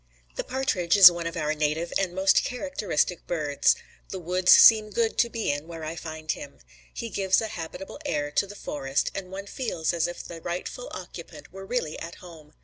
The partridge is one of our native and most characteristic birds. The woods seem good to be in where I find him. He gives a habitable air to the forest, and one feels as if the rightful occupant were really at home.